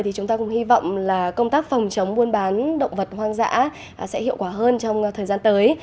thì chúng ta cũng hy vọng là công tác phòng chống buôn bán động vật hoang dã sẽ hiệu quả hơn trong thời gian tới